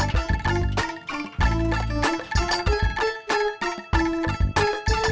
dompet kamu udah kembali